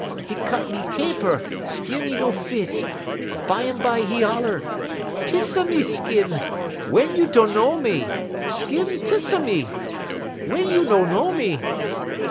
'E cut 'e caper; skin 'e no fit. Bumbye 'e holler: "''Tiss a me, Skin! wey you no know me? Skin, 'tiss a me! wey you no know me?'